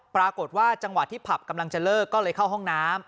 ปรากฏว่าจังหวะที่ผับกำลังจะเลิกก็เลยเข้าห้องน้ำ